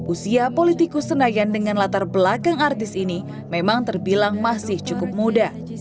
usia politikus senayan dengan latar belakang artis ini memang terbilang masih cukup muda